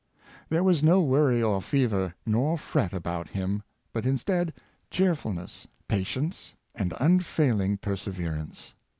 There was no worry or fever nor fret about him; but instead, cheerfulness, patience, and unfailing perse verance.